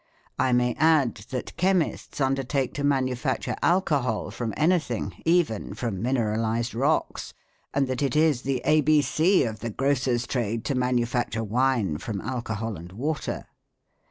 I may add that chemists undertake to manufacture alcohol from anything, even from mineralised rocks, and that it is the A.B.C. of the grocer's trade to manufacture wine from alcohol and water.